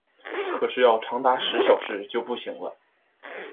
可是要长达十小时就不行了